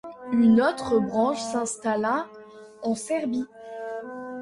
Une autre branche s'installa en Serbie.